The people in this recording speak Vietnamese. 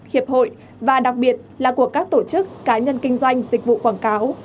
hiệp hội và đặc biệt là của các tổ chức cá nhân kinh doanh dịch vụ quảng cáo